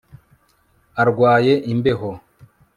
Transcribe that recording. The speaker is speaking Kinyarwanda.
Arwaye imbeho